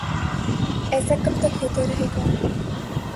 ایسا کب تک ہوتا رہے گا؟